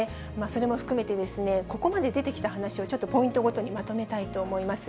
それも含めて、ここまで出てきた話を、ちょっとポイントごとにまとめたいと思います。